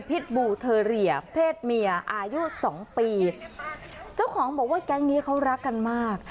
บูเทอเรียเพศเมียอายุสองปีเจ้าของบอกว่าแก๊งนี้เขารักกันมาก